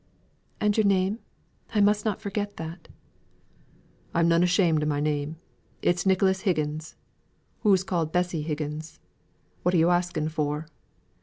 "And your name? I must not forget that." "I'm none ashamed o' my name. It's Nicholas Higgins. Hoo's called Bessy Higgins. Whatten yo' asking for?"